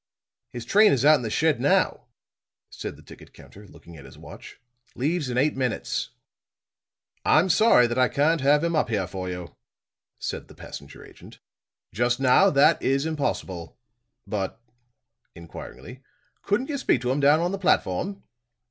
"His train is out in the shed now," said the ticket counter, looking at his watch. "Leaves in eight minutes." "I'm sorry that I can't have him up here for you," said the passenger agent. "Just now that is impossible. But," inquiringly, "couldn't you speak to him down on the platform?"